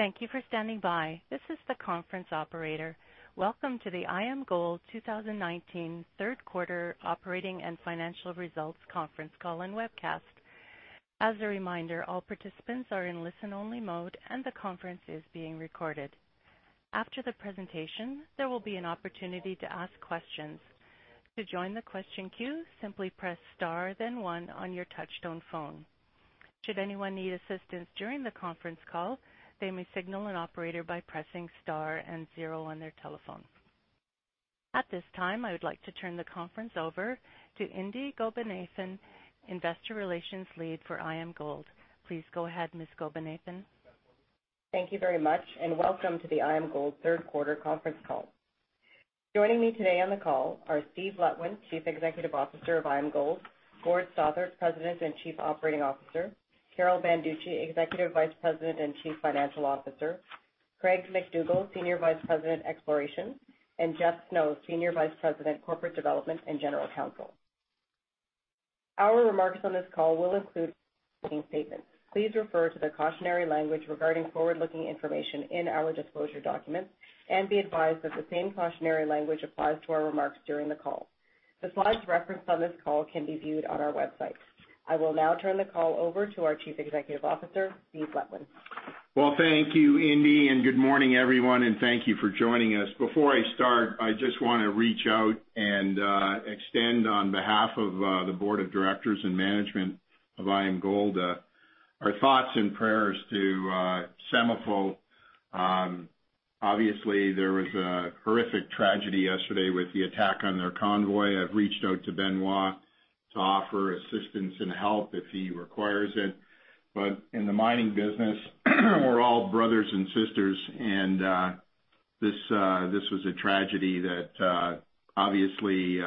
Thank you for standing by. This is the conference operator. Welcome to the IAMGOLD 2019 third quarter operating and financial results conference call and webcast. As a reminder, all participants are in listen-only mode, and the conference is being recorded. After the presentation, there will be an opportunity to ask questions. To join the question queue, simply press star then one on your touch-tone phone. Should anyone need assistance during the conference call, they may signal an operator by pressing star and zero on their telephone. At this time, I would like to turn the conference over to Indi Gopinathan, investor relations lead for IAMGOLD. Please go ahead, Ms. Gopinathan. Thank you very much. Welcome to the IAMGOLD third quarter conference call. Joining me today on the call are Steve Letwin, Chief Executive Officer of IAMGOLD; Gord Stothart, President and Chief Operating Officer; Carol Banducci, Executive Vice President and Chief Financial Officer; Craig MacDougall, Senior Vice President, Exploration; and Jeff Snow, Senior Vice President, Corporate Development and General Counsel. Our remarks on this call will include forward-looking statements. Please refer to the cautionary language regarding forward-looking information in our disclosure documents. Be advised that the same cautionary language applies to our remarks during the call. The slides referenced on this call can be viewed on our website. I will now turn the call over to our Chief Executive Officer, Steve Letwin. Well, thank you, Indi. Good morning, everyone, thank you for joining us. Before I start, I just want to reach out and extend on behalf of the Board of Directors and management of IAMGOLD, our thoughts and prayers to SEMAFO. Obviously, there was a horrific tragedy yesterday with the attack on their convoy. I've reached out to Benoit to offer assistance and help if he requires it. In the mining business, we're all brothers and sisters, this was a tragedy that obviously,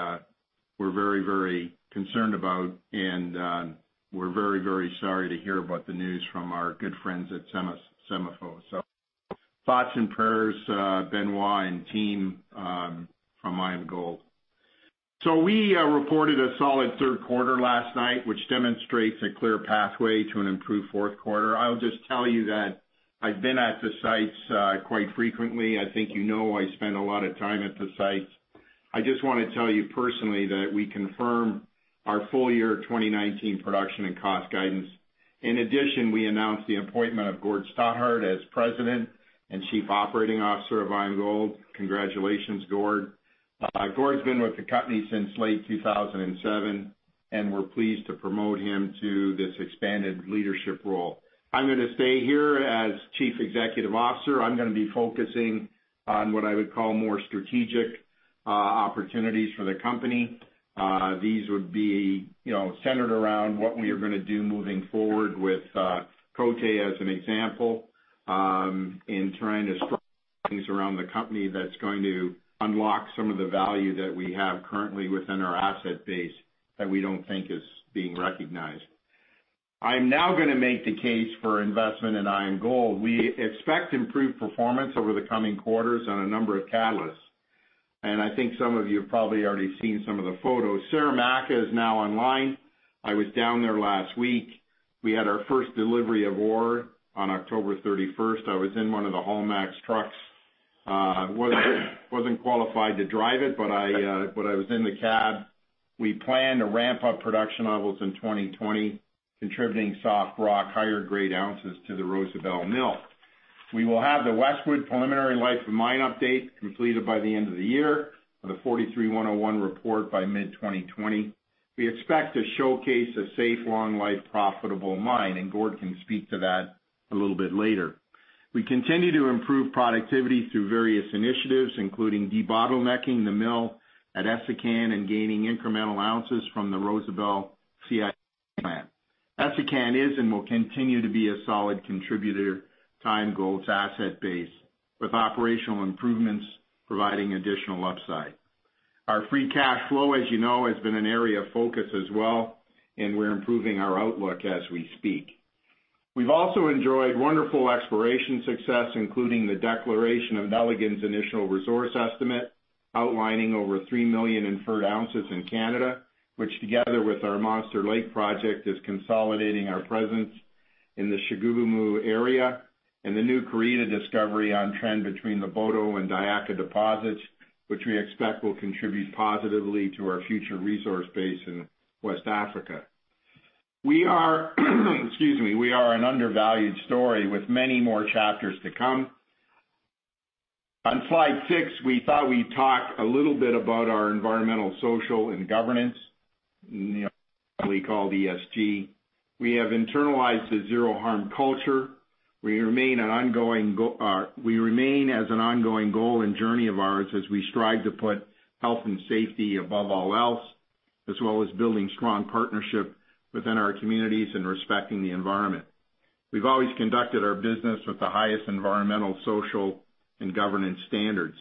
we're very concerned about, we're very sorry to hear about the news from our good friends at SEMAFO. Thoughts and prayers, Benoit and team, from IAMGOLD. We reported a solid third quarter last night, which demonstrates a clear pathway to an improved fourth quarter. I'll just tell you that I've been at the sites quite frequently. I think you know I spend a lot of time at the sites. I just want to tell you personally that we confirm our full year 2019 production and cost guidance. In addition, we announced the appointment of Gord Stothart as President and Chief Operating Officer of IAMGOLD. Congratulations, Gord. Gord's been with the company since late 2007, and we're pleased to promote him to this expanded leadership role. I'm going to stay here as Chief Executive Officer. I'm going to be focusing on what I would call more strategic opportunities for the company. These would be centered around what we are going to do moving forward with Côté, as an example, in trying to structure things around the company that's going to unlock some of the value that we have currently within our asset base that we don't think is being recognized. I'm now going to make the case for investment in IAMGOLD. We expect improved performance over the coming quarters on a number of catalysts, and I think some of you have probably already seen some of the photos. Saramacca is now online. I was down there last week. We had our first delivery of ore on October 31st. I was in one of the Haulmax trucks. Wasn't qualified to drive it, but I was in the cab. We plan to ramp up production levels in 2020, contributing soft rock, higher-grade ounces to the Rosebel mill. We will have the Westwood preliminary life of mine update completed by the end of the year, with a 43-101 report by mid-2020. We expect to showcase a safe, long, life profitable mine, and Gord can speak to that a little bit later. We continue to improve productivity through various initiatives, including debottlenecking the mill at Essakane and gaining incremental ounces from the Rosebel CIP plant. Essakane is and will continue to be a solid contributor to IAMGOLD's asset base, with operational improvements providing additional upside. Our free cash flow, as you know, has been an area of focus as well. We're improving our outlook as we speak. We've also enjoyed wonderful exploration success, including the declaration of Nelligan initial resource estimate, outlining over 3 million inferred ounces in Canada, which together with our Monster Lake project, is consolidating our presence in the Chibougamau area, and the new Karita discovery on trend between the Boto and Diakha deposits, which we expect will contribute positively to our future resource base in West Africa. We are an undervalued story with many more chapters to come. On slide six, we thought we'd talk a little bit about our environmental, social, and governance, commonly called ESG. We have internalized the zero harm culture. We remain as an ongoing goal and journey of ours as we strive to put health and safety above all else, as well as building strong partnership within our communities and respecting the environment. We've always conducted our business with the highest environmental, social, and governance standards.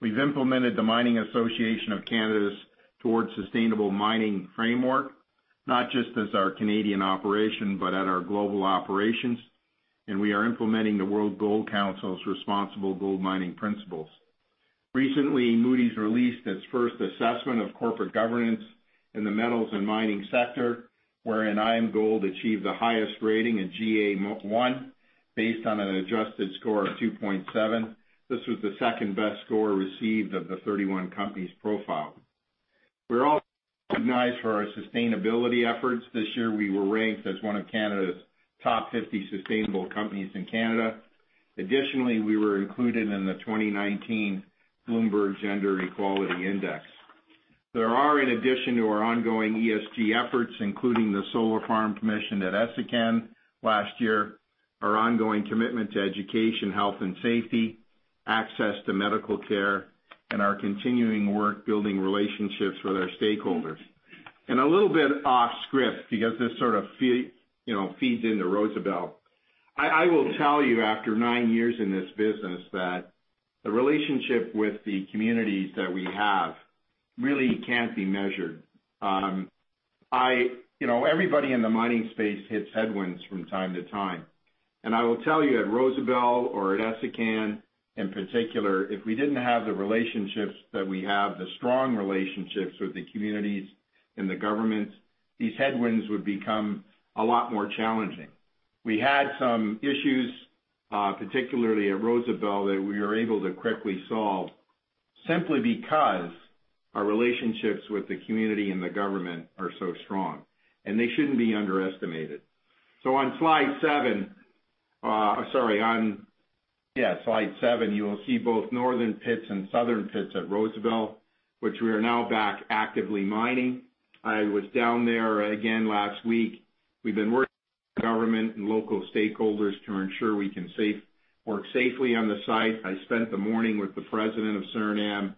We've implemented the Mining Association of Canada's Towards Sustainable Mining Framework, not just as our Canadian operation, but at our global operations, and we are implementing the World Gold Council's responsible gold mining principles. Recently, Moody's released its first assessment of corporate governance in the metals and mining sector, wherein IAMGOLD achieved the highest rating in GA1 based on an adjusted score of 2.7. This was the second-best score received of the 31 companies profiled. We're also recognized for our sustainability efforts. This year, we were ranked as one of Canada's top 50 sustainable companies in Canada. Additionally, we were included in the 2019 Bloomberg Gender Equality Index. There are, in addition to our ongoing ESG efforts, including the solar farm commissioned at Essakane last year, our ongoing commitment to education, health and safety, access to medical care, and our continuing work building relationships with our stakeholders. A little bit off script, because this sort of feeds into Rosebel. I will tell you, after nine years in this business, that the relationship with the communities that we have really can't be measured. Everybody in the mining space hits headwinds from time to time. I will tell you, at Rosebel or at Essakane in particular, if we didn't have the relationships that we have, the strong relationships with the communities and the governments, these headwinds would become a lot more challenging. We had some issues, particularly at Rosebel, that we were able to quickly solve simply because our relationships with the community and the government are so strong, and they shouldn't be underestimated. On slide seven, you will see both northern pits and southern pits at Rosebel, which we are now back actively mining. I was down there again last week. We've been working with government and local stakeholders to ensure we can work safely on the site. I spent the morning with the president of Suriname.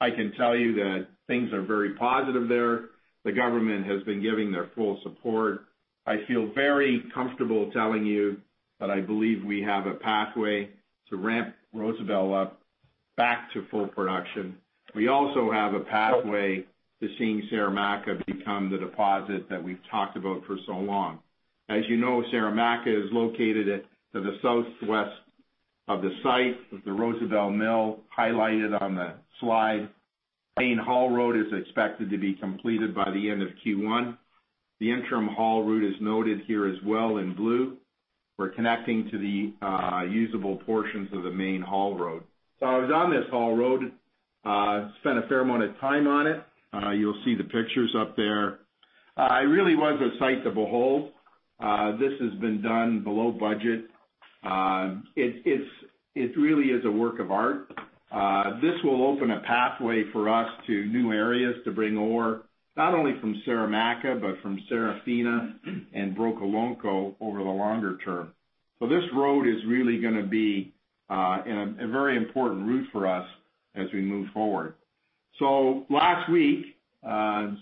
I can tell you that things are very positive there. The government has been giving their full support. I feel very comfortable telling you that I believe we have a pathway to ramp Rosebel up back to full production. We also have a pathway to seeing Saramacca become the deposit that we've talked about for so long. As you know, Saramacca is located to the southwest of the site of the Rosebel Mill, highlighted on the slide. Main haul road is expected to be completed by the end of Q1. The interim haul route is noted here as well in blue. We're connecting to the usable portions of the main haul road. I was on this haul road, spent a fair amount of time on it. You'll see the pictures up there. It really was a sight to behold. This has been done below budget. It really is a work of art. This will open a pathway for us to new areas to bring ore, not only from Saramacca, but from Sarafina and Brokolonko over the longer term. This road is really going to be a very important route for us as we move forward. Last week,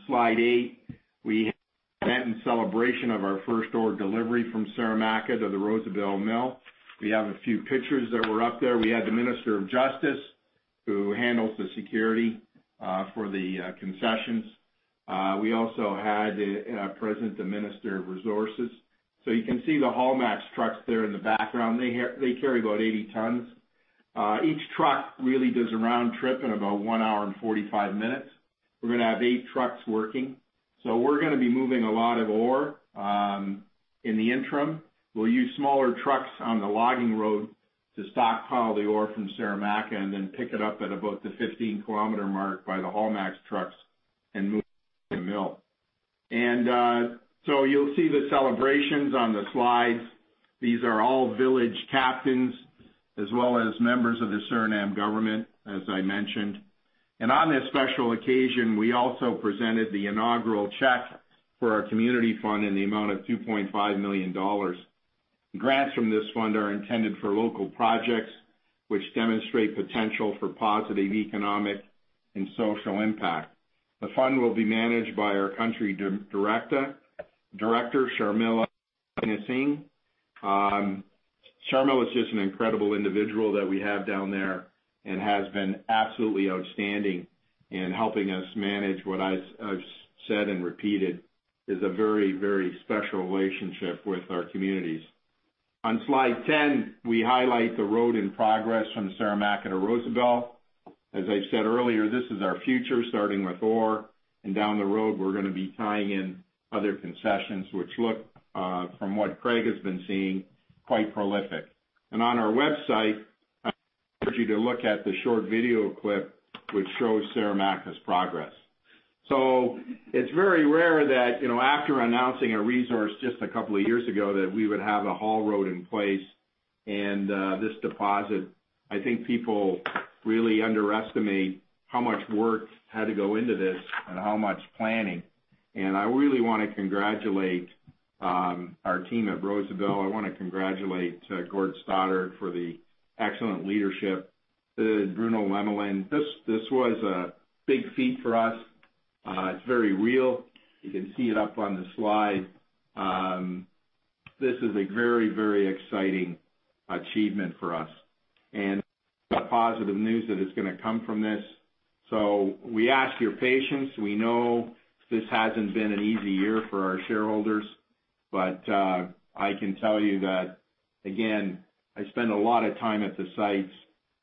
slide eight, we had an event in celebration of our first ore delivery from Saramacca to the Rosebel Mill. We have a few pictures that were up there. We had the Minister of Justice, who handles the security for the concessions. We also had present the Minister of Resources. You can see the Haulmax trucks there in the background. They carry about 80 tons. Each truck really does a round trip in about one hour and 45 minutes. We're going to have eight trucks working. We're going to be moving a lot of ore. In the interim, we'll use smaller trucks on the logging road to stockpile the ore from Saramacca and then pick it up at about the 15-kilometer mark by the Haulmax trucks and move it to the mill. You'll see the celebrations on the slides. These are all village captains, as well as members of the Suriname government, as I mentioned. On this special occasion, we also presented the inaugural check for our community fund in the amount of 2.5 million dollars. Grants from this fund are intended for local projects which demonstrate potential for positive economic and social impact. The fund will be managed by our country director, Sharmila Jadnanansing. Sharmila is just an incredible individual that we have down there and has been absolutely outstanding in helping us manage what I've said and repeated is a very special relationship with our communities. On slide 10, we highlight the road in progress from Saramacca to Rosebel. As I said earlier, this is our future, starting with ore, down the road, we're going to be tying in other concessions, which look, from what Craig has been seeing, quite prolific. On our website, I encourage you to look at the short video clip which shows Saramacca's progress. It's very rare that after announcing a resource just a couple of years ago, that we would have a haul road in place and this deposit. I think people really underestimate how much work had to go into this and how much planning. I really want to congratulate our team at Rosebel. I want to congratulate Gord Stothart for the excellent leadership. To Bruno Lemelin. This was a big feat for us. It's very real. You can see it up on the slide. This is a very exciting achievement for us, and the positive news that is going to come from this. We ask for your patience. We know this hasn't been an easy year for our shareholders. I can tell you that, again, I spend a lot of time at the sites.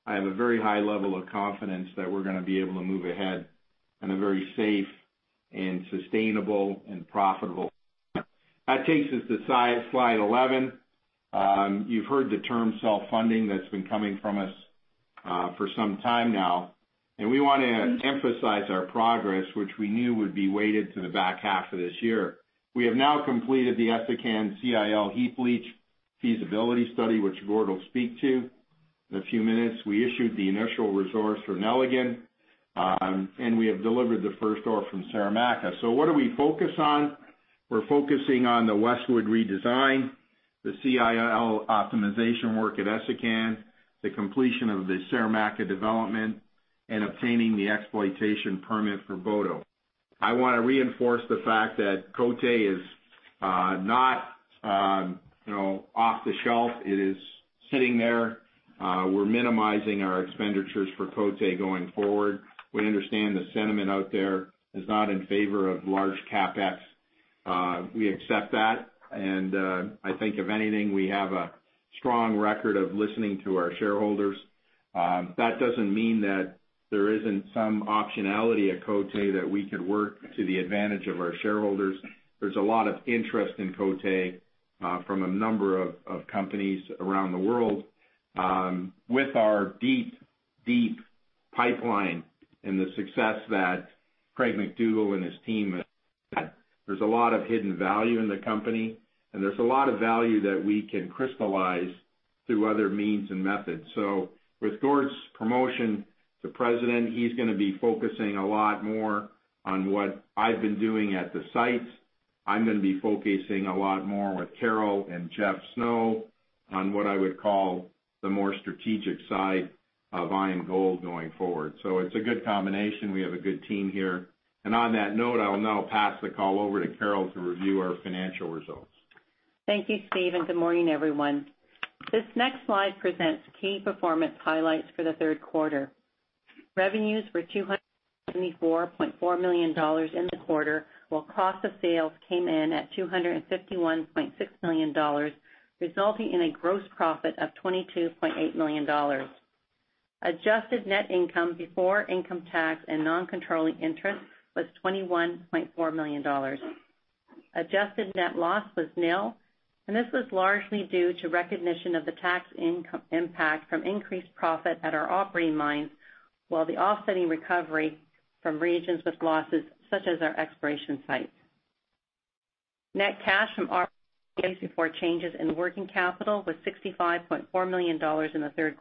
I have a very high level of confidence that we're going to be able to move ahead in a very safe, and sustainable, and profitable. That takes us to slide 11. You've heard the term self-funding that's been coming from us for some time now. We want to emphasize our progress, which we knew would be weighted to the back half of this year. We have now completed the Essakane CIL heap leach feasibility study, which Gord will speak to in a few minutes. We issued the initial resource for Nelligan. We have delivered the first ore from Saramacca. What do we focus on? We're focusing on the Westwood redesign, the CIL optimization work at Essakane, the completion of the Saramacca development, and obtaining the exploitation permit for Boto. I want to reinforce the fact that Côté is not off the shelf. It is sitting there. We're minimizing our expenditures for Côté going forward. We understand the sentiment out there is not in favor of large CapEx. We accept that, and I think if anything, we have a strong record of listening to our shareholders. That doesn't mean that there isn't some optionality at Côté that we could work to the advantage of our shareholders. There's a lot of interest in Côté from a number of companies around the world. With our deep pipeline and the success that Craig MacDougall and his team have had, there is a lot of hidden value in the company, and there is a lot of value that we can crystallize through other means and methods. With Gord's promotion to president, he is going to be focusing a lot more on what I have been doing at the sites. I am going to be focusing a lot more with Carol and Jeff Snow on what I would call the more strategic side of IAMGOLD going forward. It is a good combination. We have a good team here. On that note, I will now pass the call over to Carol to review our financial results. Thank you, Steve, and good morning, everyone. This next slide presents key performance highlights for the third quarter. Revenues were $274.4 million in the quarter, while cost of sales came in at $251.6 million, resulting in a gross profit of $22.8 million. Adjusted net income before income tax and non-controlling interest was $21.4 million. Adjusted net loss was nil, and this was largely due to recognition of the tax impact from increased profit at our operating mines, while the offsetting recovery from regions with losses, such as our exploration sites. Net cash from operations before changes in working capital was $65.4 million in the third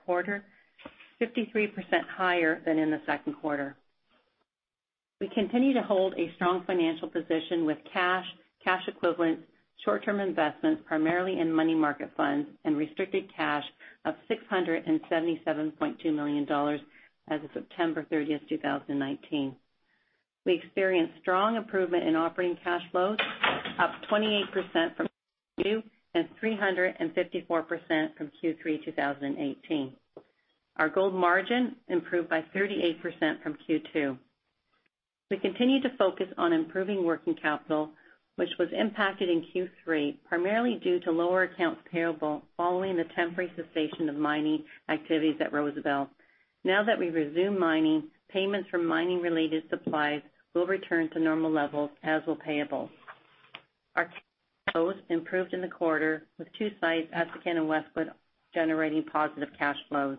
quarter, 53% higher than in the second quarter. We continue to hold a strong financial position with cash equivalents, short-term investments primarily in money market funds, and restricted cash of $677.2 million as of September 30th, 2019. We experienced strong improvement in operating cash flows, up 28% from Q2 and 354% from Q3 2018. Our gold margin improved by 38% from Q2. We continue to focus on improving working capital, which was impacted in Q3, primarily due to lower accounts payable following the temporary cessation of mining activities at Rosebel. Now that we've resumed mining, payments from mining-related supplies will return to normal levels, as will payables. Our cash flows improved in the quarter, with two sites, Essakane and Westwood, generating positive cash flows.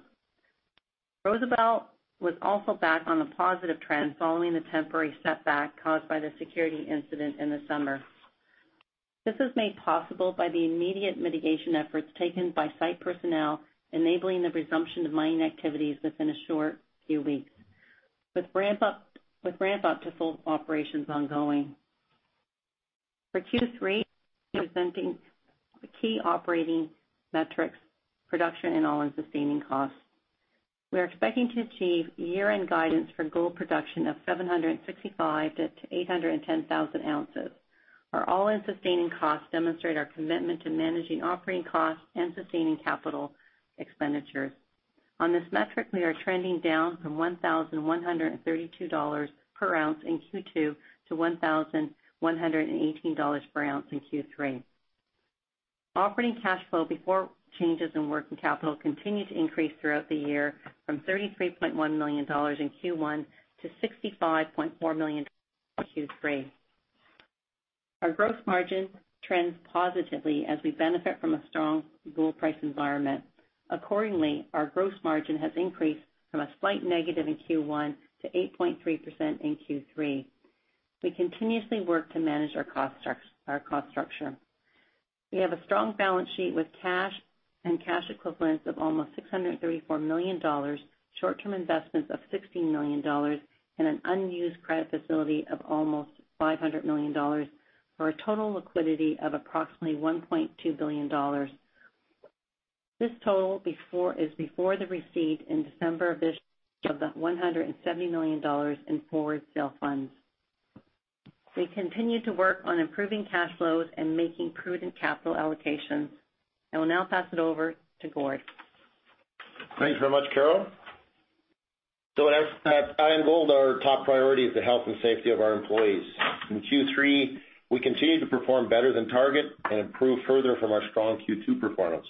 Rosebel was also back on a positive trend following the temporary setback caused by the security incident in the summer. This was made possible by the immediate mitigation efforts taken by site personnel, enabling the resumption of mining activities within a short few weeks, with ramp-up to full operations ongoing. For Q3, we are presenting the key operating metrics, production, and all-in sustaining costs. We are expecting to achieve year-end guidance for gold production of 765,000-810,000 ounces. Our all-in sustaining costs demonstrate our commitment to managing operating costs and sustaining capital expenditures. On this metric, we are trending down from $1,132 per ounce in Q2 to $1,118 per ounce in Q3. Operating cash flow before changes in working capital continued to increase throughout the year from $33.1 million in Q1 to $65.4 million in Q3. Our gross margin trends positively as we benefit from a strong gold price environment. Accordingly, our gross margin has increased from a slight negative in Q1 to 8.3% in Q3. We continuously work to manage our cost structure. We have a strong balance sheet with cash and cash equivalents of almost 634 million dollars, short-term investments of 16 million dollars, and an unused credit facility of almost 500 million dollars, for a total liquidity of approximately 1.2 billion dollars. This total is before the receipt in December of this year of the 170 million dollars in forward sale funds. We continue to work on improving cash flows and making prudent capital allocations. I will now pass it over to Gord. Thanks very much, Carol. At IAMGOLD, our top priority is the health and safety of our employees. In Q3, we continued to perform better than target and improve further from our strong Q2 performance.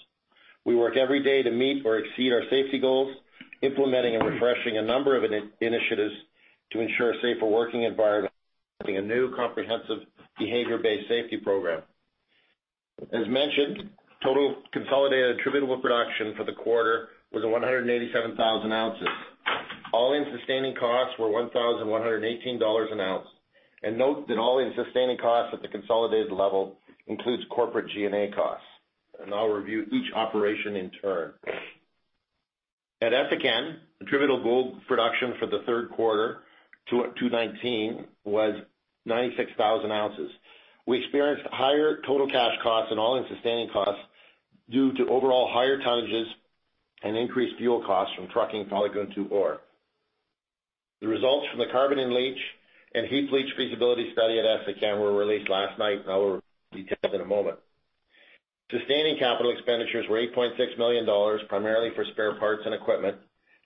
We work every day to meet or exceed our safety goals, implementing and refreshing a number of initiatives to ensure a safer working environment, including a new comprehensive behavior-based safety program. As mentioned, total consolidated attributable production for the quarter was at 187,000 ounces. All-in sustaining costs were $1,118 an ounce. Note that all-in sustaining costs at the consolidated level includes corporate G&A costs. I'll review each operation in turn. At Essakane, attributable gold production for the third quarter 2019 was 96,000 ounces. We experienced higher total cash costs and all-in sustaining costs due to overall higher tonnages and increased fuel costs from trucking polygoon to ore. The results from the carbon-in-leach and heap leach feasibility study at Essakane were released last night. I will review details in a moment. Sustaining capital expenditures were 8.6 million dollars, primarily for spare parts and equipment.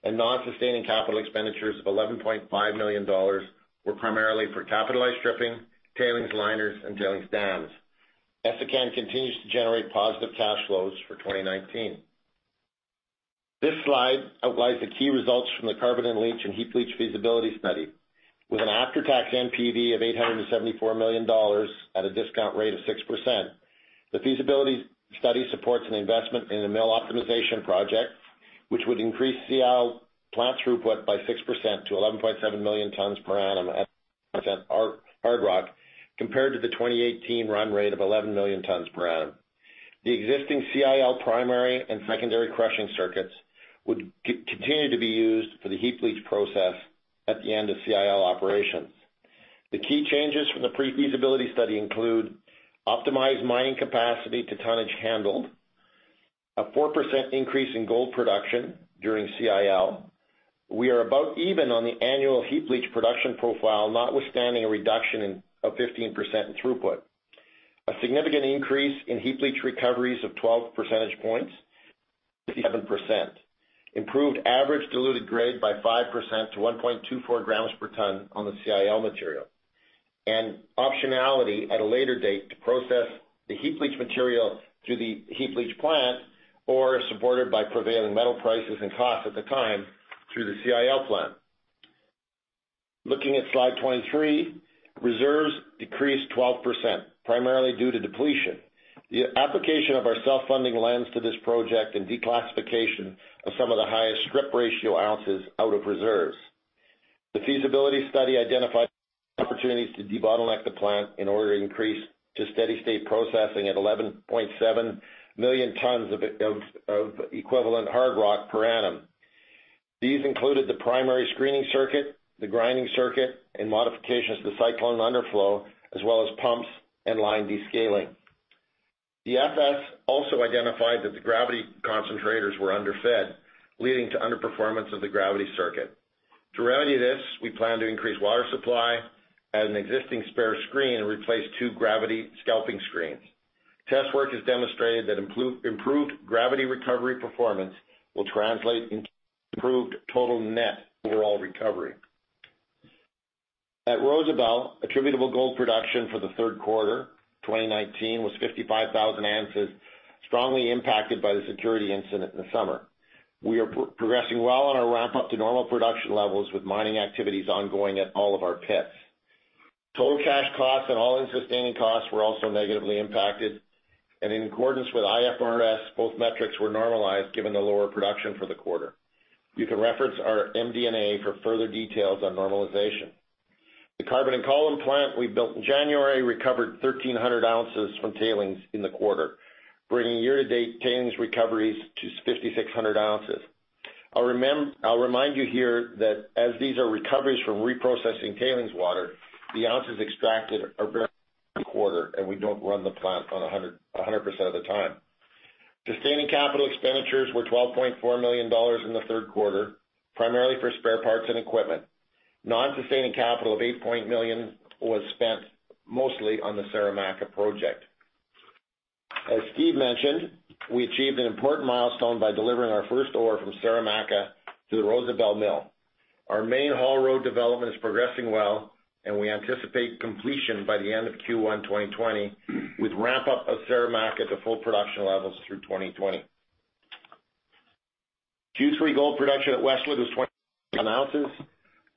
Non-sustaining capital expenditures of 11.5 million dollars were primarily for capitalized stripping, tailings liners, and tailings dams. Essakane continues to generate positive cash flows for 2019. This slide outlines the key results from the carbon-in-leach and heap leach feasibility study. With an after-tax NPV of 874 million dollars at a discount rate of 6%, the feasibility study supports an investment in a mill optimization project, which would increase CIL plant throughput by 6% to 11.7 million tons per annum hard rock, compared to the 2018 run rate of 11 million tons per annum. The existing CIL primary and secondary crushing circuits would continue to be used for the heap leach process at the end of CIL operations. The key changes from the pre-feasibility study include optimized mining capacity to tonnage handled, a 4% increase in gold production during CIL. We are about even on the annual heap leach production profile, notwithstanding a reduction of 15% in throughput. A significant increase in heap leach recoveries of 12 percentage points, 57%. Improved average diluted grade by 5% to 1.24 grams per ton on the CIL material. Optionality at a later date to process the heap leach material through the heap leach plant, or supported by prevailing metal prices and costs at the time, through the CIL plant. Looking at slide 23, reserves decreased 12%, primarily due to depletion. The application of our self-funding lens to this project and declassification of some of the highest strip ratio ounces out of reserves. The feasibility study identified opportunities to debottleneck the plant in order to increase to steady state processing at 11.7 million tons of equivalent hard rock per annum. These included the primary screening circuit, the grinding circuit, and modifications to the cyclone underflow, as well as pumps and line descaling. The FS also identified that the gravity concentrators were underfed, leading to underperformance of the gravity circuit. To remedy this, we plan to increase water supply, add an existing spare screen and replace two gravity scalping screens. Test work has demonstrated that improved gravity recovery performance will translate into improved total net overall recovery. At Rosebel, attributable gold production for the third quarter 2019 was 55,000 ounces, strongly impacted by the security incident in the summer. We are progressing well on our ramp-up to normal production levels, with mining activities ongoing at all of our pits. In accordance with IFRS, total cash costs and all-in sustaining costs were also negatively impacted, and both metrics were normalized given the lower production for the quarter. You can reference our MD&A for further details on normalization. The carbon and column plant we built in January recovered 1,300 ounces from tailings in the quarter, bringing year-to-date tailings recoveries to 5,600 ounces. I'll remind you here that as these are recoveries from reprocessing tailings water, the ounces extracted are quarter, and we don't run the plant 100% of the time. Sustaining capital expenditures were 12.4 million dollars in the third quarter, primarily for spare parts and equipment. Non-sustaining capital of 8 million was spent mostly on the Saramacca project. As Steve mentioned, we achieved an important milestone by delivering our first ore from Saramacca through the Rosebel mill. Our main haul road development is progressing well, and we anticipate completion by the end of Q1 2020, with ramp-up of Saramacca to full production levels through 2020. Q3 gold production at Westwood was ounces.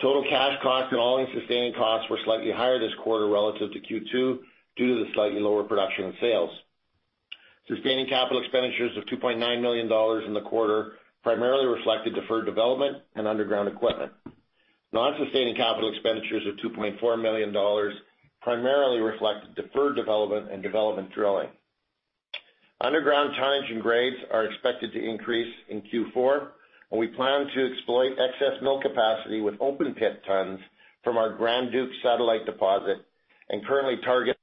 Total cash cost and all-in sustaining costs were slightly higher this quarter relative to Q2 due to the slightly lower production and sales. Sustaining capital expenditures of 2.9 million dollars in the quarter primarily reflected deferred development and underground equipment. Non-sustaining capital expenditures of 2.4 million dollars primarily reflect deferred development and development drilling. Underground tonnage and grades are expected to increase in Q4, and we plan to exploit excess mill capacity with open pit tons from our Grand Duke satellite deposit and currently target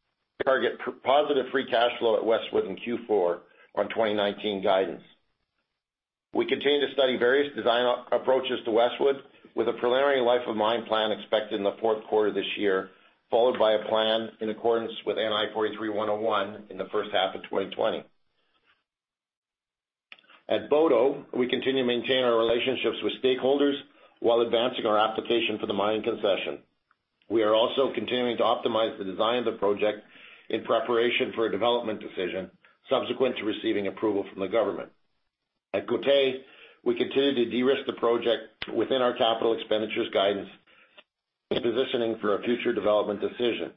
positive free cash flow at Westwood in Q4 on 2019 guidance. We continue to study various design approaches to Westwood with a preliminary life of mine plan expected in the fourth quarter of this year, followed by a plan in accordance with NI 43-101 in the first half of 2020. At Boto, we continue to maintain our relationships with stakeholders while advancing our application for the mining concession. We are also continuing to optimize the design of the project in preparation for a development decision subsequent to receiving approval from the government. At Côté, we continue to de-risk the project within our capital expenditures guidance in positioning for a future development decision.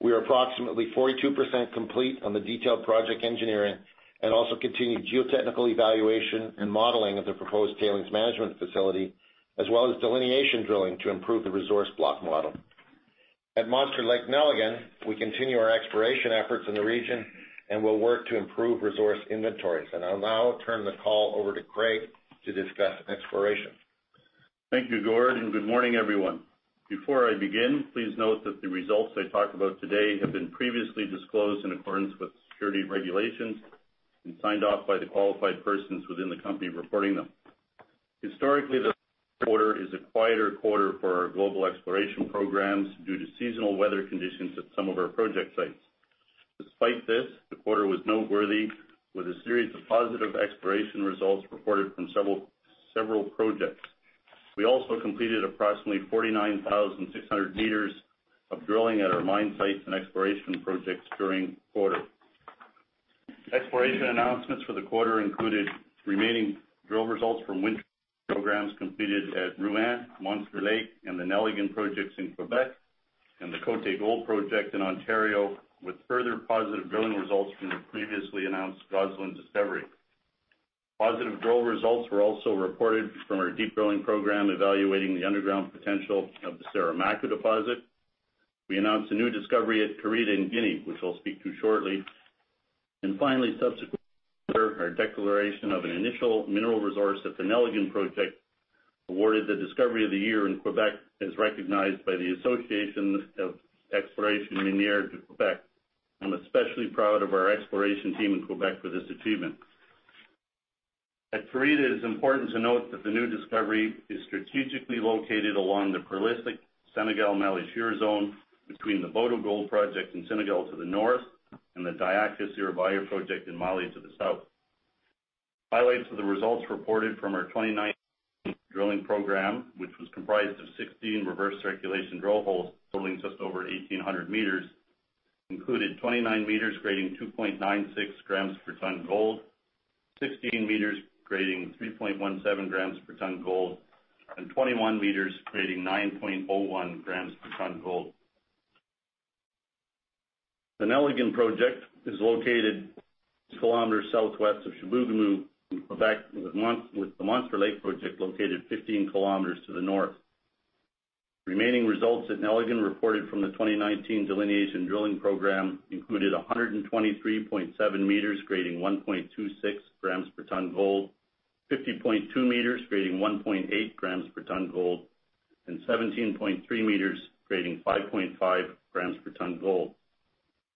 We are approximately 42% complete on the detailed project engineering and also continued geotechnical evaluation and modeling of the proposed tailings management facility, as well as delineation drilling to improve the resource block model. At Monster Lake-Nelligan, we continue our exploration efforts in the region and will work to improve resource inventories. I'll now turn the call over to Craig to discuss exploration. Thank you, Gord, and good morning, everyone. Before I begin, please note that the results I talk about today have been previously disclosed in accordance with security regulations and signed off by the qualified persons within the company reporting them. Historically, this quarter is a quieter quarter for our global exploration programs due to seasonal weather conditions at some of our project sites. Despite this, the quarter was noteworthy with a series of positive exploration results reported from several projects. We also completed approximately 49,600 meters of drilling at our mine sites and exploration projects during the quarter. Exploration announcements for the quarter included remaining drill results from winter programs completed at Rouyn, Monster Lake, and the Nelligan projects in Quebec and the Côté Gold Project in Ontario, with further positive drilling results from the previously announced Gosselin discovery. Positive drill results were also reported from our deep drilling program evaluating the underground potential of the Saramacca deposit. We announced a new discovery at Karita in Guinea, which I'll speak to shortly. Finally, subsequent our declaration of an initial mineral resource at the Nelligan project, awarded the discovery of the year in Quebec, as recognized by the Association de l'exploration minière du Québec. I'm especially proud of our exploration team in Quebec for this achievement. At Karita, it is important to note that the new discovery is strategically located along the prolific Senegal Mali Shear Zone between the Boto Gold Project in Senegal to the north and the Diakha-Siribaya Project in Mali to the south. Highlights of the results reported from our 29 drilling program, which was comprised of 16 reverse circulation drill holes totaling just over 1,800 m, included 29 m grading 2.96 g/t gold, 16 m grading 3.17 g/t gold, and 21 m grading 9.01 g/t gold. The Nelligan project is located kilometers southwest of Chibougamau in Quebec, with the Monster Lake project located 15 km to the north. Remaining results at Nelligan reported from the 2019 delineation drilling program included 123.7 m grading 1.26 g/t gold, 50.2 m grading 1.8 g/t gold, and 17.3 m grading 5.5 g/t gold.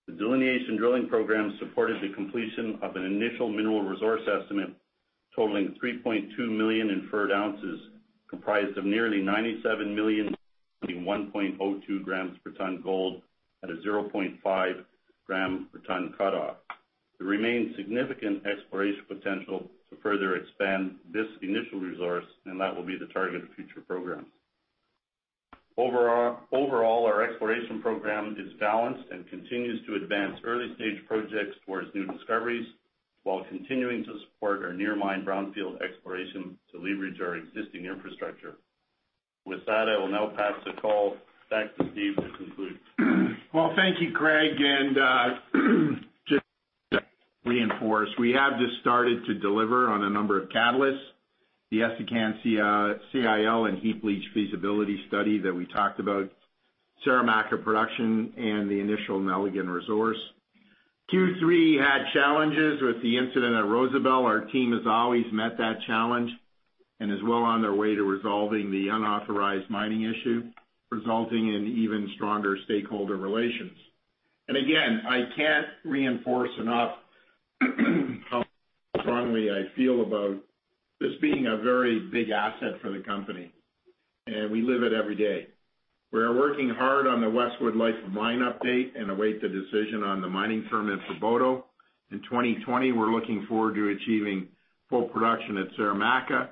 The delineation drilling program supported the completion of an initial mineral resource estimate totaling 3.2 million inferred oz, comprised of nearly 97 million 1.02 g/t gold at a 0.5 g/t cutoff. There remains significant exploration potential to further expand this initial resource, and that will be the target of future programs. Overall, our exploration program is balanced and continues to advance early-stage projects towards new discoveries while continuing to support our near mine brownfield exploration to leverage our existing infrastructure. With that, I will now pass the call back to Steve to conclude. Well, thank you, Craig. Just to reinforce, we have just started to deliver on a number of catalysts. The Essakane CIL and heap leach feasibility study that we talked about, Saramacca production, and the initial Nelligan resource. Q3 had challenges with the incident at Rosebel. Our team has always met that challenge and is well on their way to resolving the unauthorized mining issue, resulting in even stronger stakeholder relations. Again, I can't reinforce enough how strongly I feel about this being a very big asset for the company, and we live it every day. We are working hard on the Westwood life of mine update and await the decision on the mining permit for Boto. In 2020, we're looking forward to achieving full production at Saramacca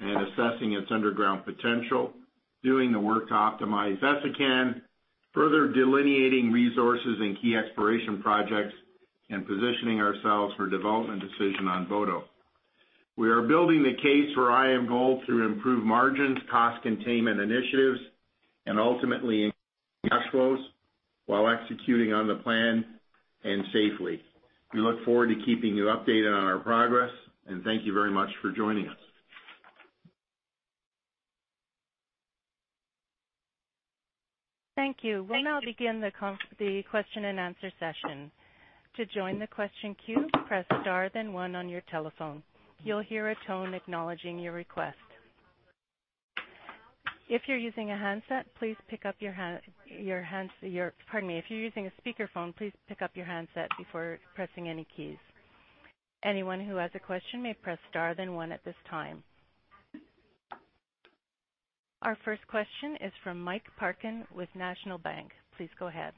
and assessing its underground potential, doing the work to optimize Essakane, further delineating resources and key exploration projects, and positioning ourselves for development decision on Boto. We are building the case for IAMGOLD through improved margins, cost containment initiatives, and ultimately cash flows while executing on the plan and safely. We look forward to keeping you updated on our progress, and thank you very much for joining us. Thank you. We'll now begin the question and answer session. To join the question queue, press star, then one on your telephone. You'll hear a tone acknowledging your request. If you're using a handset, please pick up your handset. If you're using a speakerphone, please pick up your handset before pressing any keys. Anyone who has a question may press star then one at this time. Our first question is from Mike Parkin with National Bank. Please go ahead.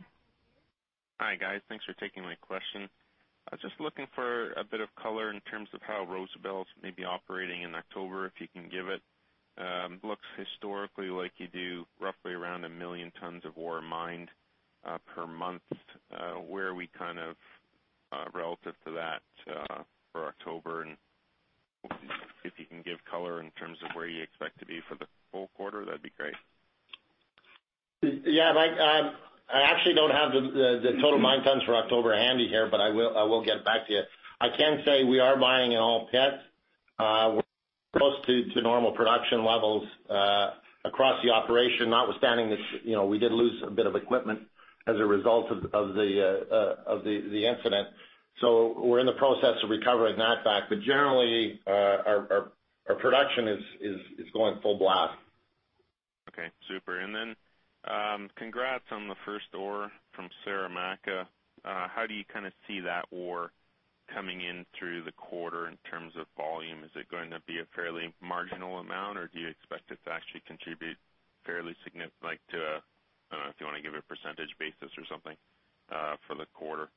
Hi, guys. Thanks for taking my question. I was just looking for a bit of color in terms of how Rosebel may be operating in October, if you can give it. Looks historically like you do roughly around 1 million tons of ore mined per month. Where are we relative to that for October? If you can give color in terms of where you expect to be for the full quarter, that'd be great. Mike, I actually don't have the total mine tons for October handy here, but I will get back to you. I can say we are mining in all pits. We're close to normal production levels across the operation, notwithstanding that we did lose a bit of equipment as a result of the incident. We're in the process of recovering that back. Generally, our production is going full blast. Okay, super. Congrats on the first ore from Saramacca. How do you see that ore coming in through the quarter in terms of volume? Is it going to be a fairly marginal amount, or do you expect it to actually contribute fairly significant, like to a, I don't know if you want to give a percentage basis or something for the quarter?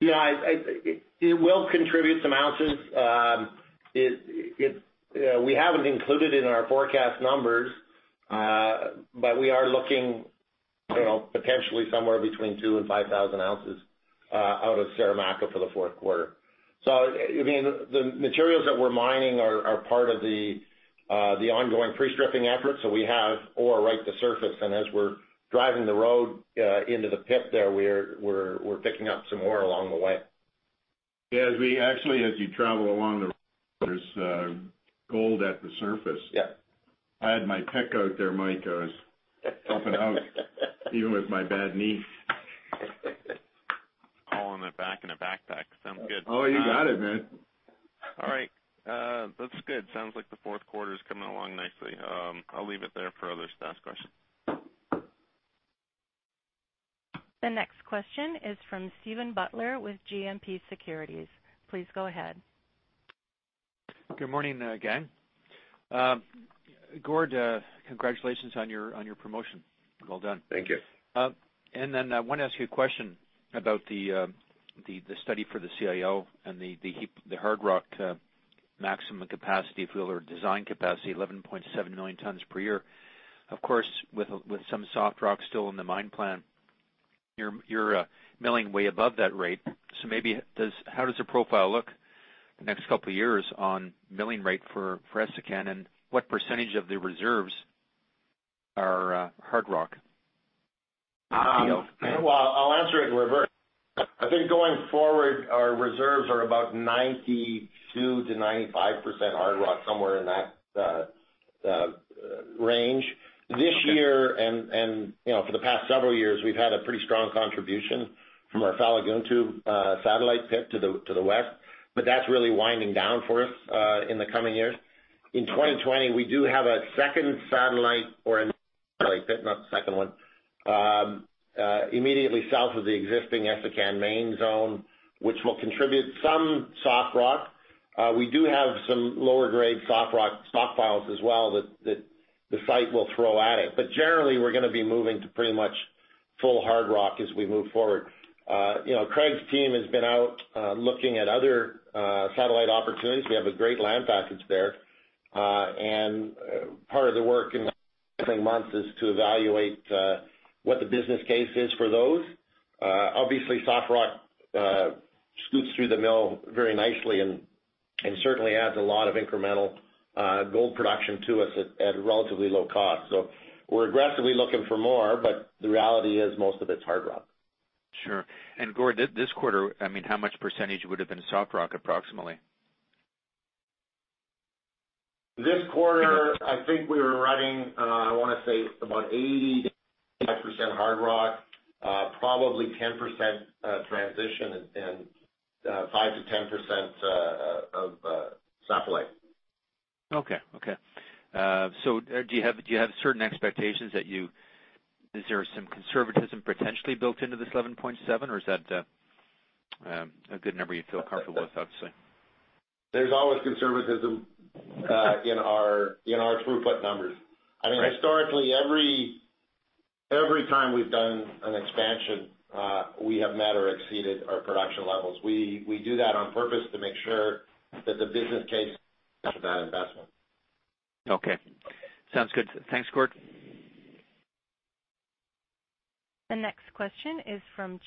Yeah, it will contribute some ounces. We haven't included it in our forecast numbers, but we are looking potentially somewhere between 2,000 and 5,000 ounces out of Saramacca for the fourth quarter. The materials that we're mining are part of the ongoing pre-stripping efforts. We have ore right at the surface, and as we're driving the road into the pit there, we're picking up some ore along the way. Yeah, actually, as you travel along the road, there's gold at the surface. Yeah. I had my pick out there, Mike. I was helping out even with my bad knee. Hauling it back in a backpack. Sounds good. Oh, you got it, man. All right. That's good. Sounds like the fourth quarter is coming along nicely. I'll leave it there for others to ask questions. The next question is from Steven Butler with GMP Securities. Please go ahead. Good morning, gang. Gord, congratulations on your promotion. Well done. Thank you. I want to ask you a question about the study for the CIO and the hard rock maximum capacity fuel or design capacity, 11.7 million tons per year. Of course, with some soft rock still in the mine plan, you're milling way above that rate. How does the profile look the next couple of years on milling rate for Essakane, and what percentage of the reserves are hard rock? Well, I'll answer it in reverse. I think going forward, our reserves are about 92%-95% hard rock, somewhere in that range. This year and for the past several years, we've had a pretty strong contribution from our Falagountou satellite pit to the west, but that's really winding down for us in the coming years. In 2020, we do have a second satellite or a, not the second one, immediately south of the existing Essakane main zone, which will contribute some soft rock. We do have some lower grade soft rock stockpiles as well that the site will throw at it. Generally, we're going to be moving to pretty much full hard rock as we move forward. Craig's team has been out looking at other satellite opportunities. We have a great land package there. Part of the work in the coming months is to evaluate what the business case is for those. Obviously, soft rock scoots through the mill very nicely and certainly adds a lot of incremental gold production to us at relatively low cost. We're aggressively looking for more, but the reality is most of it's hard rock. Sure. Gord, this quarter, how much percentage would have been soft rock, approximately? This quarter, I think we were running, I want to say about 80%-85% hard rock, probably 10% transition and 5%-10% of satellite. Okay. Do you have certain expectations, is there some conservatism potentially built into this 11.7, or is that a good number you feel comfortable with, I'd say? There's always conservatism in our throughput numbers. I mean, historically, every time we've done an expansion, we have met or exceeded our production levels. We do that on purpose to make sure that the business case matches that investment. Okay. Sounds good. Thanks, Gord. The next question is from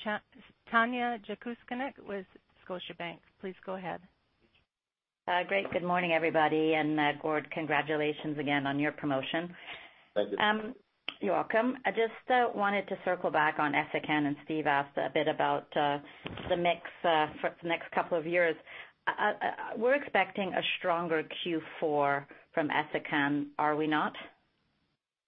Tanya Jakusconek with Scotiabank. Please go ahead. Great. Good morning, everybody, and Gord, congratulations again on your promotion. Thank you. You're welcome. I just wanted to circle back on Essakane. Steve asked a bit about the mix for the next couple of years. We're expecting a stronger Q4 from Essakane, are we not?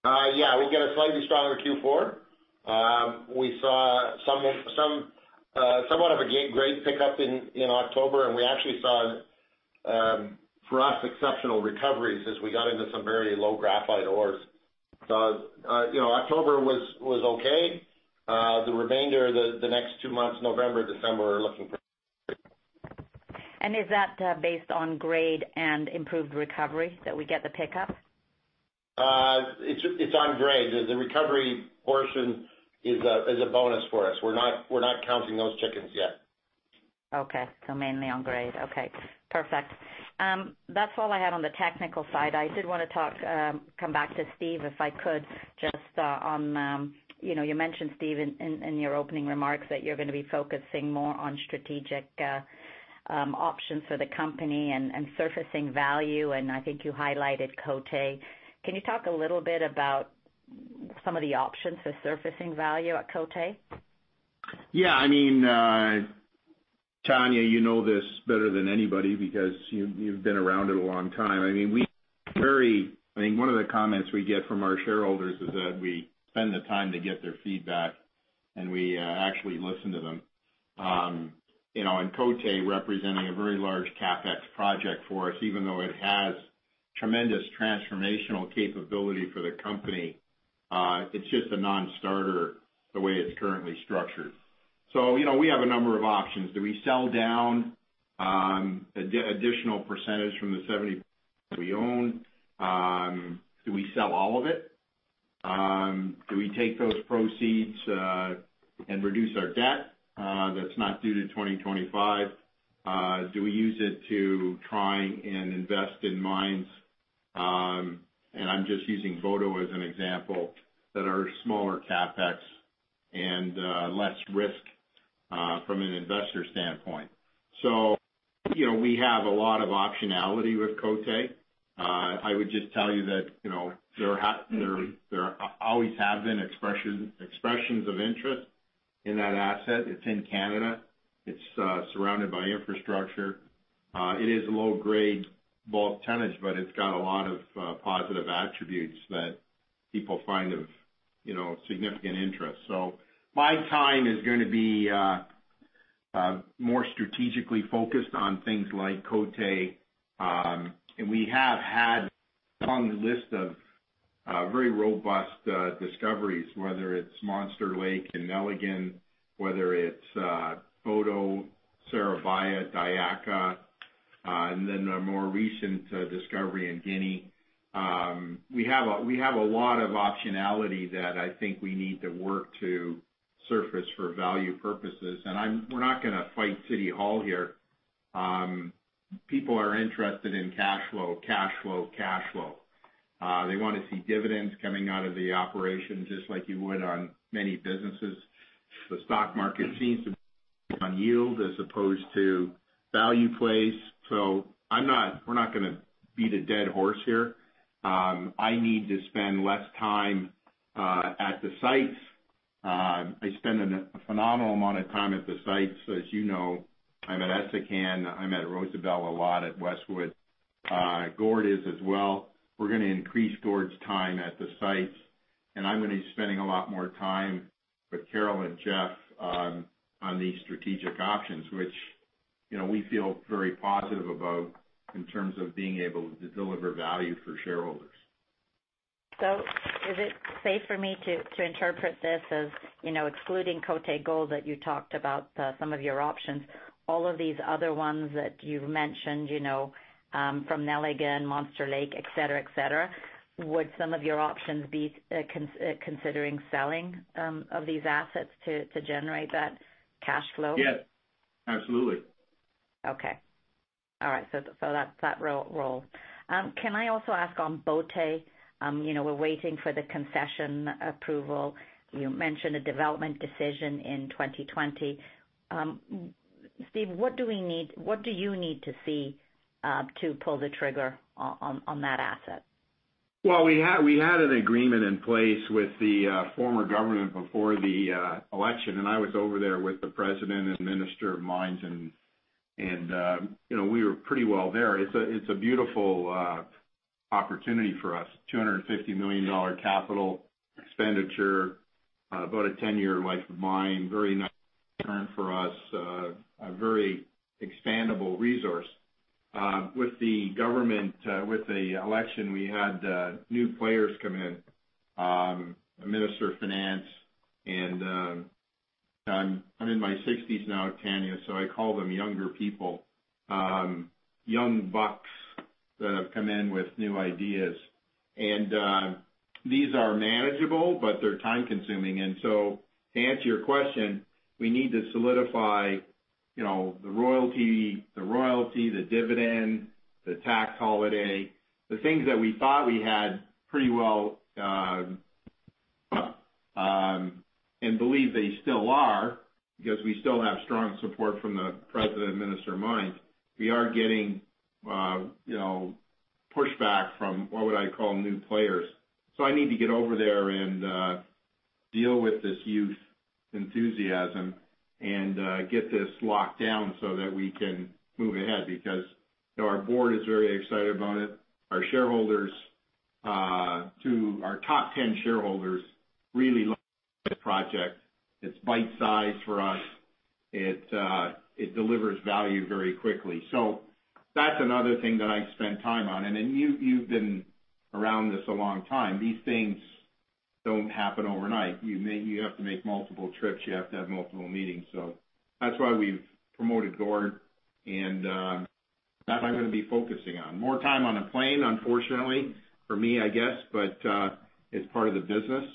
Yeah, we've got a slightly stronger Q4. We saw somewhat of a grade pickup in October, and we actually saw, for us, exceptional recoveries as we got into some very low graphite ores. October was okay. The remainder of the next two months, November, December, we're looking for Is that based on grade and improved recovery that we get the pickup? It's on grade. The recovery portion is a bonus for us. We're not counting those chickens yet. Okay. Mainly on grade. Okay, perfect. That's all I had on the technical side. I did want to come back to Steve, if I could, just on, you mentioned, Steve, in your opening remarks that you're going to be focusing more on strategic options for the company and surfacing value, and I think you highlighted Côté. Can you talk a little bit about some of the options for surfacing value at Côté? Tanya, you know this better than anybody because you've been around it a long time. I think one of the comments we get from our shareholders is that we spend the time to get their feedback, and we actually listen to them. Côté representing a very large CapEx project for us, even though it has tremendous transformational capability for the company, it's just a non-starter the way it's currently structured. We have a number of options. Do we sell down additional percentage from the 70% we own? Do we sell all of it? Do we take those proceeds and reduce our debt that's not due till 2025? Do we use it to try and invest in mines, and I'm just using Boto as an example, that are smaller CapEx and less risk from an investor standpoint. We have a lot of optionality with Côté. I would just tell you that there always have been expressions of interest in that asset. It's in Canada. It's surrounded by infrastructure. It is a low-grade bulk tonnage, but it's got a lot of positive attributes that people find of significant interest. My time is going to be more strategically focused on things like Côté. We have had a long list of very robust discoveries, whether it's Monster Lake and Nelligan, whether it's Boto, Siribaya, Diakha, and then our more recent discovery in Guinea. We have a lot of optionality that I think we need to work to surface for value purposes. We're not going to fight city hall here. People are interested in cash flow. They want to see dividends coming out of the operation, just like you would on many businesses. The stock market seems to be on yield as opposed to value plays. We're not going to beat a dead horse here. I need to spend less time at the sites. I spend a phenomenal amount of time at the sites, as you know. I'm at Essakane. I'm at Rosebel a lot, at Westwood. Gord is as well. We're going to increase Gord's time at the sites, and I'm going to be spending a lot more time with Carol and Jeff on the strategic options, which we feel very positive about in terms of being able to deliver value for shareholders. Is it safe for me to interpret this as excluding Côté Gold, that you talked about some of your options, all of these other ones that you've mentioned from Nelligan, Monster Lake, et cetera? Would some of your options be considering selling of these assets to generate that cash flow? Yes. Absolutely. Okay. All right. That role. Can I also ask on Boto? We're waiting for the concession approval. You mentioned a development decision in 2020. Steve, what do you need to see to pull the trigger on that asset? Well, we had an agreement in place with the former government before the election, and I was over there with the president and minister of mines, and we were pretty well there. It's a beautiful opportunity for us. $250 million capital expenditure, about a 10-year life of mine, very nice return for us, a very expandable resource. With the election, we had new players come in. A minister of finance, and I'm in my 60s now, Tanya, so I call them younger people. Young bucks that have come in with new ideas. These are manageable, but they're time-consuming. To answer your question, we need to solidify the royalty, the dividend, the tax holiday, the things that we thought we had pretty well and believe they still are because we still have strong support from the president and minister of mines. We are getting pushback from what I would call new players. I need to get over there and deal with this youth enthusiasm and get this locked down so that we can move ahead because our board is very excited about it. Our top 10 shareholders really like the project. It's bite-sized for us. It delivers value very quickly. That's another thing that I'd spend time on. Then you've been around this a long time. These things don't happen overnight. You have to make multiple trips. You have to have multiple meetings. That's why we've promoted Gord, and that's what I'm going to be focusing on. More time on a plane, unfortunately for me, I guess. It's part of the business,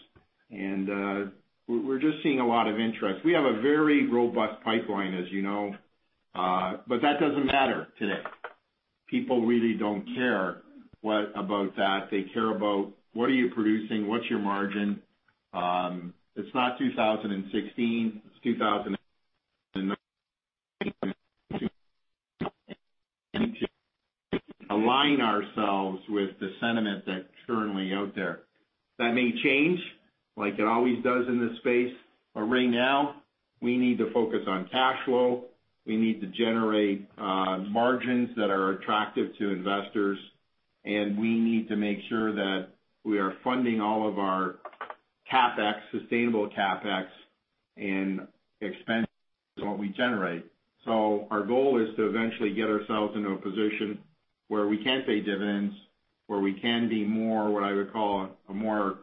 and we're just seeing a lot of interest. We have a very robust pipeline, as you know. That doesn't matter today. People really don't care about that. They care about, what are you producing? What's your margin? It's not 2016, it's 2019. We need to align ourselves with the sentiment that's currently out there. That may change, like it always does in this space, but right now we need to focus on cash flow. We need to generate margins that are attractive to investors, and we need to make sure that we are funding all of our sustainable CapEx and expenses from what we generate. Our goal is to eventually get ourselves into a position where we can pay dividends, where we can be more, what I would call, a more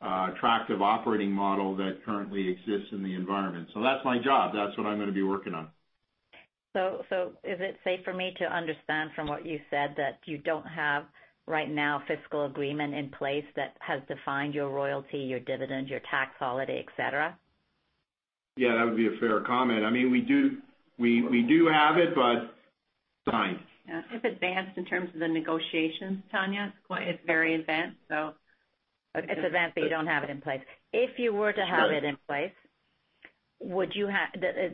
attractive operating model that currently exists in the environment. That's my job. That's what I'm going to be working on. Is it safe for me to understand from what you said, that you don't have right now fiscal agreement in place that has defined your royalty, your dividends, your tax holiday, et cetera? That would be a fair comment. We do have it, but signed. It's advanced in terms of the negotiations, Tanya. It's very advanced. It's advanced, but you don't have it in place. If you were to have it in place,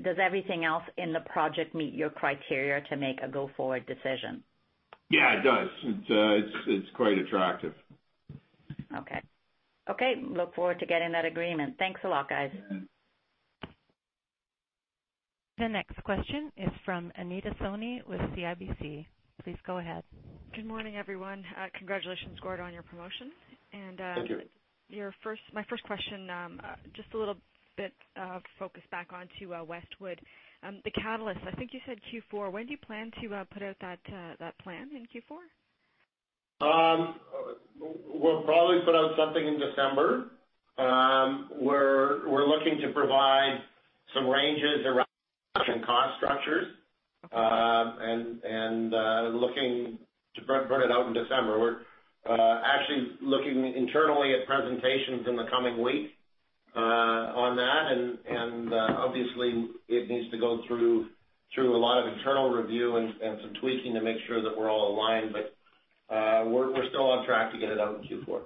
does everything else in the project meet your criteria to make a go forward decision? Yeah, it does. It's quite attractive. Okay. Look forward to getting that agreement. Thanks a lot, guys. The next question is from Anita Soni with CIBC. Please go ahead. Good morning, everyone. Congratulations, Gord, on your promotion. Thank you. My first question, just a little bit of focus back onto Westwood. The catalyst, I think you said Q4. When do you plan to put out that plan, in Q4? We'll probably put out something in December. We're looking to provide some ranges around production cost structures, and looking to put it out in December. We're actually looking internally at presentations in the coming week on that, and obviously, it needs to go through a lot of internal review and some tweaking to make sure that we're all aligned. We're still on track to get it out in Q4.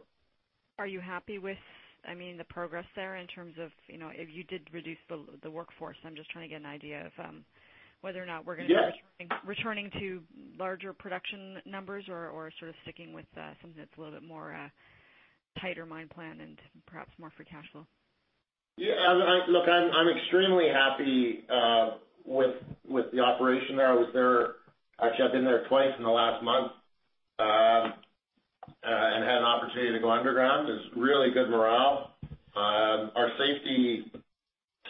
Are you happy with the progress there in terms of, if you did reduce the workforce? I'm just trying to get an idea of whether or not we're going to be. Yes returning to larger production numbers or sort of sticking with something that's a little bit more tighter mine plan and perhaps more for cash flow. Yeah. Look, I'm extremely happy with the operation there. Actually, I've been there twice in the last month, and had an opportunity to go underground. There's really good morale. Our safety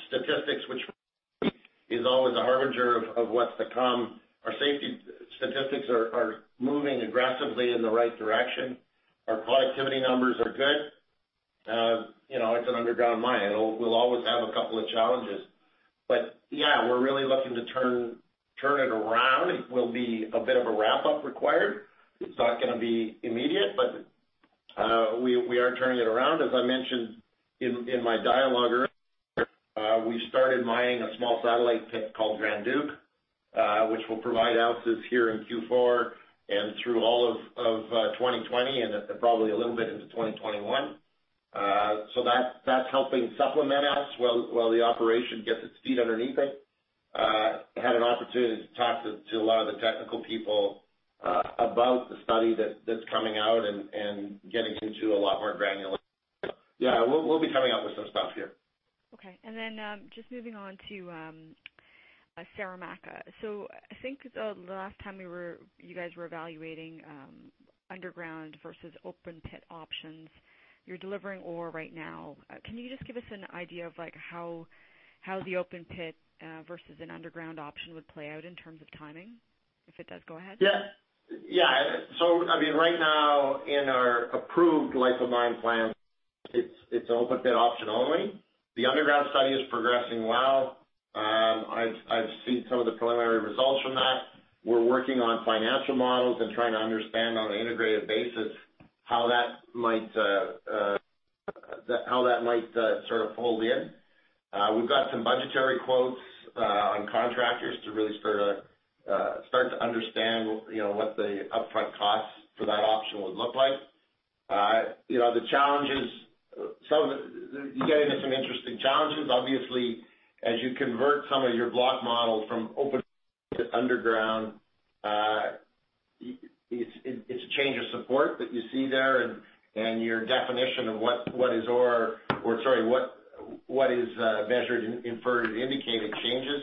statistics, which is always a harbinger of what's to come, are moving aggressively in the right direction. Our productivity numbers are good. It's an underground mine, and we'll always have a couple of challenges. Yeah, we're really looking to turn it around. It will be a bit of a wrap up required. It's not going to be immediate, but we are turning it around. As I mentioned in my dialogue earlier, we started mining a small satellite pit called Grand Duke, which will provide ounces here in Q4 and through all of 2020, and probably a little bit into 2021. That's helping supplement us while the operation gets its feet underneath it. Had an opportunity to talk to a lot of the technical people about the study that's coming out and getting into a lot more granularity. We'll be coming out with some stuff here. Okay, just moving on to Saramacca. I think the last time you guys were evaluating underground versus open pit options. You're delivering ore right now. Can you just give us an idea of how the open pit versus an underground option would play out in terms of timing? If it does, go ahead. Yeah. Right now, in our approved life of mine plan, it's open pit option only. The underground study is progressing well. I've seen some of the preliminary results from that. We're working on financial models and trying to understand on an integrated basis how that might sort of fold in. We've got some budgetary quotes on contractors to really start to understand what the upfront costs for that option would look like. You get into some interesting challenges. Obviously, as you convert some of your block models from open to underground, it's a change of support that you see there, and your definition of what is measured, inferred and indicated changes.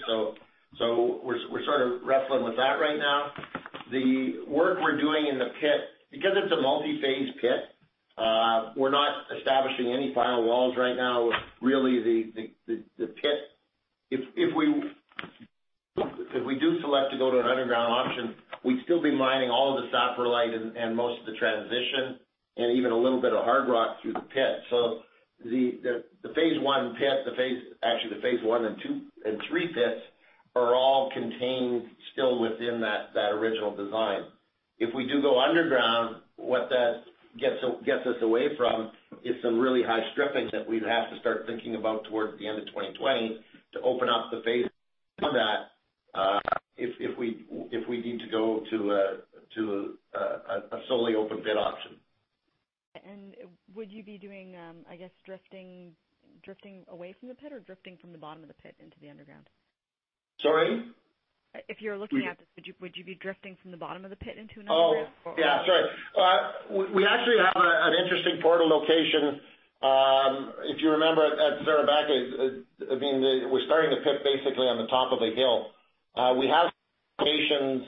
We're sort of wrestling with that right now. The work we're doing in the pit, because it's a multi-phase pit, we're not establishing any final walls right now. Really, the pit, if we. We do select to go to an underground option, we'd still be mining all of the saprolite and most of the transition, and even a little bit of hard rock through the pit. The phase 1 pit, actually, the phase 1 and 2 and 3 pits are all contained still within that original design. If we do go underground, what that gets us away from is some really high stripping that we'd have to start thinking about towards the end of 2020 to open up the phase, some of that if we need to go to a solely open pit option. Would you be doing, I guess, drifting away from the pit, or drifting from the bottom of the pit into the underground? Sorry? If you're looking at this, would you be drifting from the bottom of the pit into an underground? Oh, yeah. Sorry. We actually have an interesting portal location. If you remember at Saramacca, we're starting the pit basically on the top of a hill. We have locations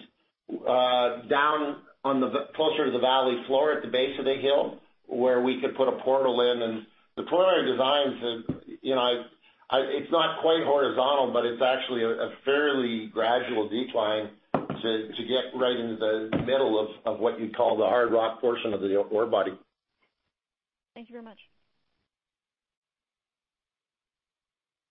closer to the valley floor at the base of the hill where we could put a portal in. The portal designs, it's not quite horizontal, but it's actually a fairly gradual decline to get right into the middle of what you'd call the hard rock portion of the ore body. Thank you very much.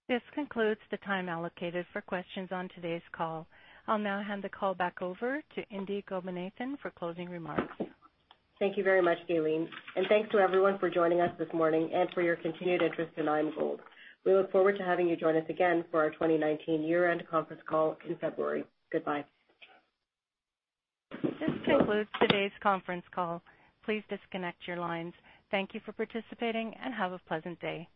This concludes the time allocated for questions on today's call. I'll now hand the call back over to Indi Gopinathan for closing remarks. Thank you very much, [Daylene], and thanks to everyone for joining us this morning, and for your continued interest in IAMGOLD. We look forward to having you join us again for our 2019 year-end conference call in February. Goodbye. This concludes today's conference call. Please disconnect your lines. Thank you for participating, and have a pleasant day.